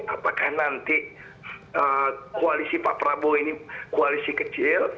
apakah nanti koalisi pak prabowo ini koalisi kecil